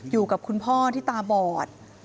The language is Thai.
อยู่กับคุณพ่อที่ตาบอด